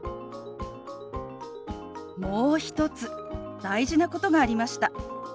もう一つ大事なことがありました。